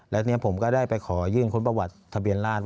และผมก็ได้ไปขอยื่นค้นประวัติทะเบียนราช